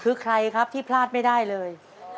คือใครครับที่พลาดไม่ได้เลย